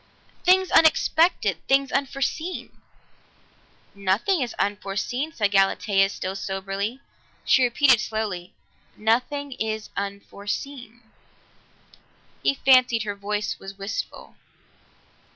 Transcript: "Things unexpected things unforeseen." "Nothing is unforeseen," said Galatea, still soberly. She repeated slowly, "Nothing is unforeseen." He fancied her voice was wistful.